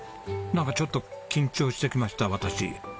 なんかちょっと緊張してきました私。